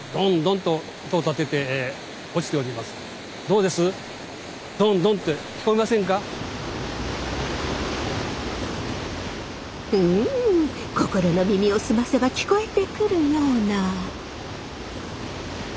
うん心の耳を澄ませば聞こえてくるような。